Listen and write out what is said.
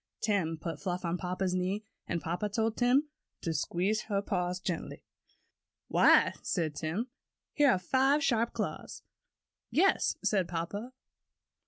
Tim put Fluff on papa's knee, and papa told Tim to squeeze her paw gently "Why," said Tim, "here are five sharp claws." "Yes," said papa.